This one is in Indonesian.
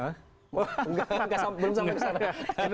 belum sampai kesana